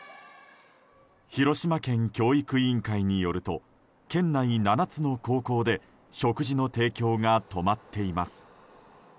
広島県教育委員会によると県内７つの高校で食事の提供が止まっています。